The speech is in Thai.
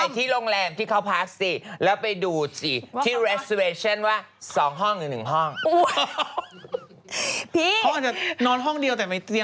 มีเตียงเสิร์ฟโอเคไหมคุณแม่ไปด้วยแต่ก็นอนห้องเดียวกันใช่ไหม